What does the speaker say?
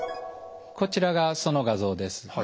こちらがその画像です。